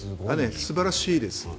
素晴らしいです。